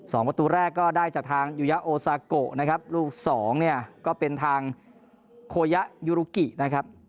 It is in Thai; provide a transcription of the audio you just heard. สองประตูแรกก็ได้จากทางยูยะโอซาโกนะครับลูกสองเนี่ยก็เป็นทางโคยะยูรุกินะครับ